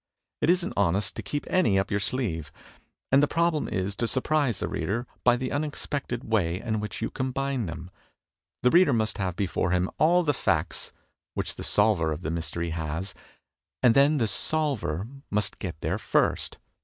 It isn't honest to keep any up your sleeve; and the problem is to surprise the reader by the unexpected way in which you combine them. The reader must have before him all the facts which the solver of the mystery has, and then the 'Solver' must get there first.